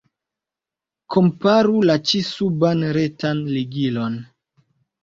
Komparu la ĉi-suban retan ligilon.